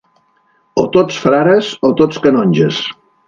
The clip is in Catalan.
O tots frares o tots canonges.